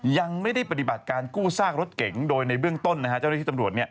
ยังไม่ได้ปฏิบัติการกู้ซากรถเก๋งโดยในเบื้องต้นนะฮะเจ้าหน้าที่ตำรวจ